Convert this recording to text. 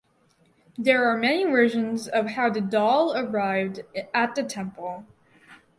There are many versions of how the doll arrived at the temple.